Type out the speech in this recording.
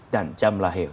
dan jam lahir